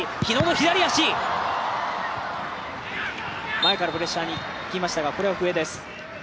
前からプレッシャーにいきましたが、これは笛です。